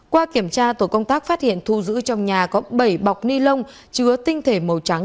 qua kiểm tra tổ công tác phát hiện thu giữ trong nhà có bảy bọc ni lông chứa tinh thể màu trắng